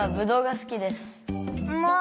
もう！